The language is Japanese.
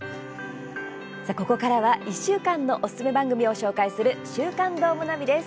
ここからは１週間のおすすめ番組を紹介する「週刊どーもナビ」です。